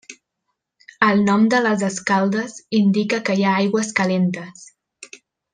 El nom de les Escaldes indica que hi ha aigües calentes.